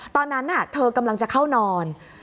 ตอนนั้นเธอกำลังจะเข้านอน